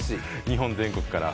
日本全国から。